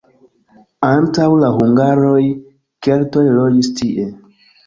Antaŭ la hungaroj keltoj loĝis tie.